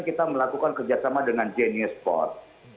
kita melakukan kerjasama dengan genius sport